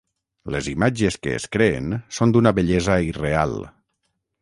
Les imatges que es creen són d'una bellesa irreal.